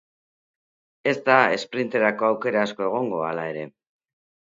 Ez da esprinterako aukera asko egongo, hala ere.